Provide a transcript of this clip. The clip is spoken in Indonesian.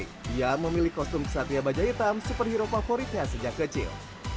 dia memilih kostum kesatria bajai hitam superhero favoritnya sejak kecil